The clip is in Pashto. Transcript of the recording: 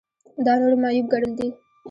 دا نورو معیوب ګڼل دي.